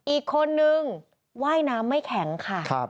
อีกคนนึงว่ายน้ำไม่แข็งค่ะ